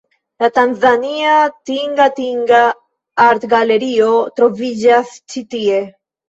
La tanzania Tingatinga Artgalerio troviĝas ĉi tie.